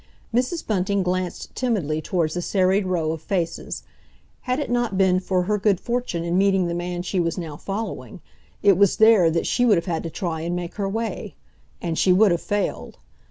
Mrs. Bunting glanced timidly towards the serried row of faces. Had it not been for her good fortune in meeting the man she was now following, it was there that she would have had to try and make her way. And she would have failed.